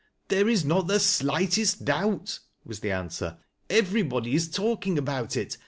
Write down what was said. " There is not the slightest doubt," was the answer, " everybod}' is talking about it.